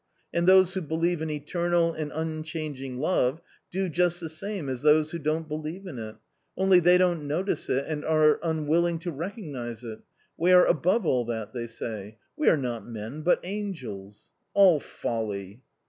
And those who believe in eternal and unchanging love do just the same as those who don't believe in it, only they don't notice it and are unwilling to recognise it; we are above that, they say, we are not men, but angels — all folly